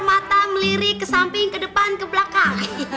matang lirik kesamping kedepan kebelakang